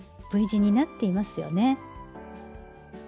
Ｖ字になっていますよね。